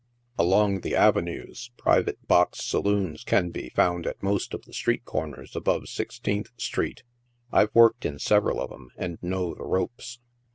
Along the avenues, private box saloons can be found at most of the street corners above Sixteenth street (I've worked in several of 'em, and know the ropes).